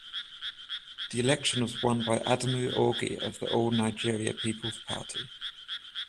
The election was won by Adamu Augie of the All Nigeria Peoples Party.